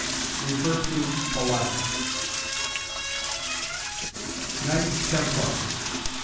See POLITE. KNIGHTS TEMPLARS.